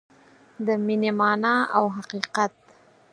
د مینې مانا او حقیقت